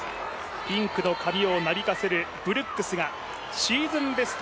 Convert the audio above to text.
ピンクの髪をなびかせるブルックスがシーズンベスト、